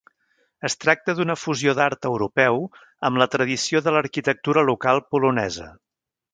Es tracta d'una fusió d'art europeu amb la tradició de l'arquitectura local polonesa.